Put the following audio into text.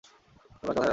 তোমরা কোথায় যাচ্ছ?